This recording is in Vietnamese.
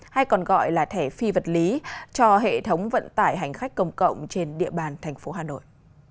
hay còn gọi là thẻ phi vật lý cho hệ thống vận tải hành khách công cộng trên địa bàn thành phố hà nội